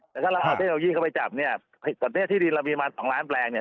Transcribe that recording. แต่ถ้าเราเอาเทคโนโลยีเข้าไปจับเนี่ยตอนนี้ที่ดินเรามีมาสองล้านแปลงเนี่ย